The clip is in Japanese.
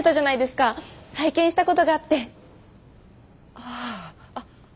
あああっ